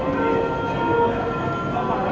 สวัสดีครับ